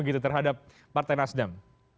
terhadap partai nasdem